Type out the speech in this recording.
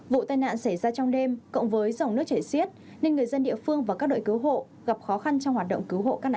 vụ tai nạn xảy ra trong đêm cộng với dòng nước chảy xiết nên người dân địa phương và các đội cứu hộ gặp khó khăn trong hoạt động cứu hộ các nạn nhân